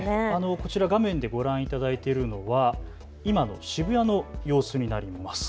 こちら画面でご覧いただいているのは今の渋谷の様子になります。